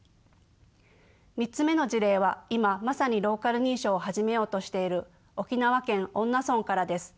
３つ目の事例は今まさにローカル認証を始めようとしている沖縄県恩納村からです。